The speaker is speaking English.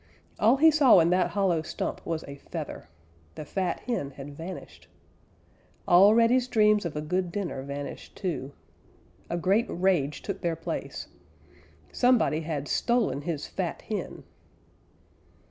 All he saw in that hollow stump was a feather. The fat hen had vanished. All Reddy's dreams of a good dinner vanished too. A great rage took their place. Somebody had stolen his fat hen!